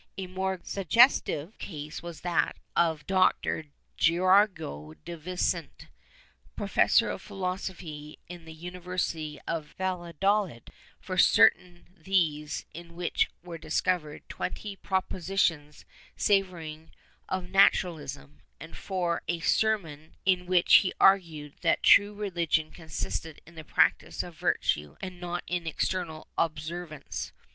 ^ A more suggestive case was that of Doctor Gregorio de Vicente, professor of philosophy in the University of Valladolid, for certain theses in which were discovered twenty propositions savoring of "naturalism,'' and for a sermon in which he argued that true religion consisted in the practice of virtue and not in external observance.